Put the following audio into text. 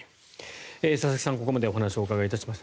佐々木さんにここまでお話お伺いいたしました。